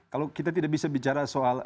kalau kita tidak bisa bicara soal